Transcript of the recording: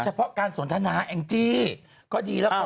เพาะการสนทนาแองจี้ก็ดีแล้วค่ะ